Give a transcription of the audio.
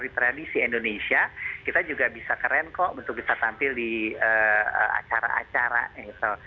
di tradisi indonesia kita juga bisa keren kok untuk bisa tampil di acara acara gitu